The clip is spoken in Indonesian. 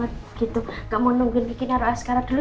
mau langsung pulang aja banget gitu gak mau nunggu bikin aru askara dulu